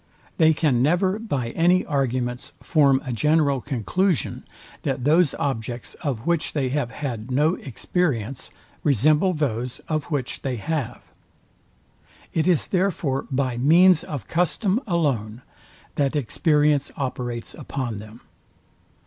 They can never by any arguments form a general conclusion, that those objects, of which they have had no experience, resemble those of which they have. It is therefore by means of custom alone, that experience operates upon them.